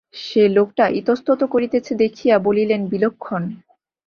সে লোকটা ইতস্তত করিতেছে দেখিয়া বলিলেন, বিলক্ষণ!